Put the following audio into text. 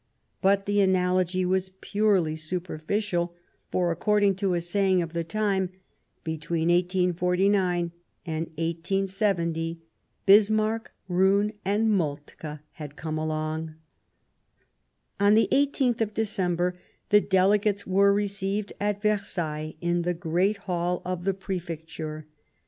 But the analogy w^as purely superficial, for, according to a saying of the time, " Between 1849 and 1870 Bismarck, Roon and Moltke had come along." On the i8th of December the Delegates were re ceived at Versailles in the Great Hall of the Prefec ture.